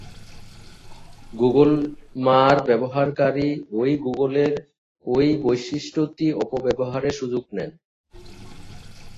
Google বোমা-র ব্যবহারকারী এই গুগলের এই বৈশিষ্ট্যটি অপব্যবহারের সুযোগ নেন।